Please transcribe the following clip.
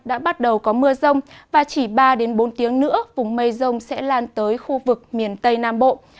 đã bắt đầu có mưa rông và chỉ ba bốn tiếng nữa vùng mây rông sẽ lan tới khu vực miền tây nam bộ